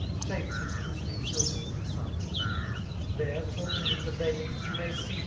It shakes its loosening silver in the sun. There, talking with the ladies, you may see.